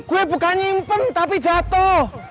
gue bukan nyimpen tapi jatuh